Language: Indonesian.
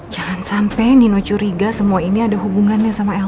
jangan sampai nino curiga semua ini ada hubungannya sama elvi